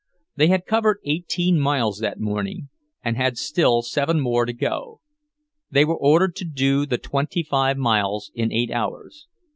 They had covered eighteen miles that morning, and had still seven more to go. They were ordered to do the twenty five miles in eight hours.